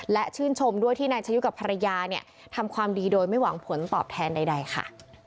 และชื่นชมด้วยที่นายชะยุกับภรรยาเนี่ยทำความดีโดยไม่หวังผลตอบแทนใดค่ะ